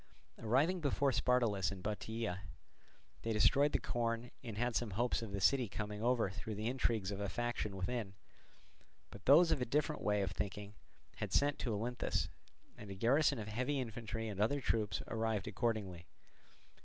Arriving before Spartolus in Bottiaea, they destroyed the corn and had some hopes of the city coming over through the intrigues of a faction within. But those of a different way of thinking had sent to Olynthus; and a garrison of heavy infantry and other troops arrived accordingly.